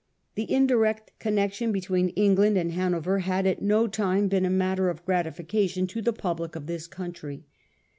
The indirect connection between England and Hanover had at no time been a matter of gratification to the public of this country.